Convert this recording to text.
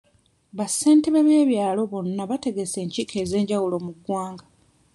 Ba ssentebe b'ebyalo bonna bategese enkiiko ez'enjawulo mu ggwanga.